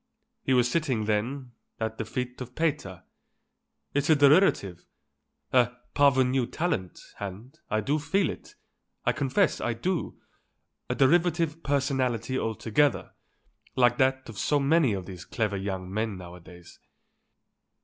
He was sitting, then, at the feet of Pater. It's a derivative, a parvenu talent, and, I do feel it, I confess I do, a derivative personality altogether, like that of so many of these clever young men nowadays.